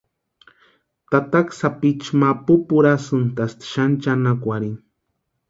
Tataka sapichu ma pupurhasïntasti xani chʼanakwarhini.